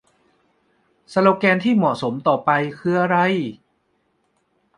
สโลแกนที่เหมาะสมต่อไปคืออะไร ?